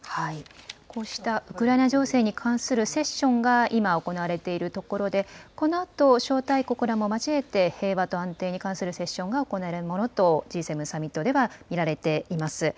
こうしたウクライナ情勢に関するセッションが今、行われているところで、このあと招待国らも交えて、平和と安定に関するセッションが行われるものとＧ７サミットでは見られています。